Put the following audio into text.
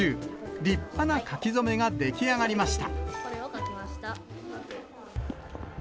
立派な書き初めが出来上がりました。